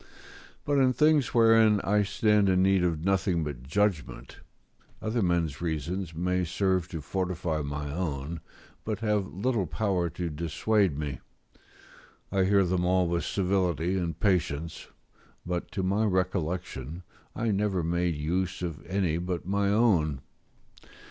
But in things wherein I stand in need of nothing but judgment, other men's reasons may serve to fortify my own, but have little power to dissuade me; I hear them all with civility and patience; but, to my recollection, I never made use of any but my own.